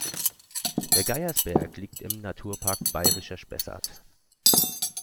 Der Geiersberg liegt im Naturpark Bayerischer Spessart.